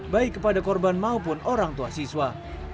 baik kepada korban maupun orang tua siswa